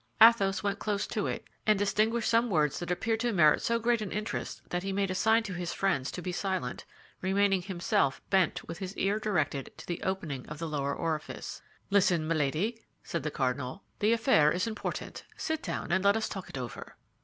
Athos went close to it, and distinguished some words that appeared to merit so great an interest that he made a sign to his friends to be silent, remaining himself bent with his ear directed to the opening of the lower orifice. "Listen, Milady," said the cardinal, "the affair is important. Sit down, and let us talk it over."